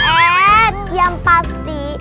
eh yang pasti